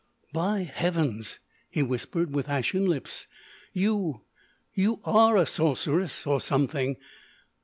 "By heavens!" he whispered with ashen lips, "you—you are a sorceress—or something.